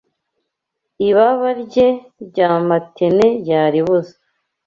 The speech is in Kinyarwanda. ibaba rye rya matene yaribuze